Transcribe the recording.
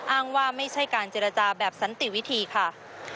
อ้างว่าไม่ใช่การเจรจาแบบสันติวิธีค่ะ